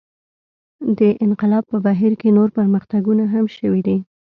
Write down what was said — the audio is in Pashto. دې انقلاب په بهیر کې نور پرمختګونه هم شوي دي.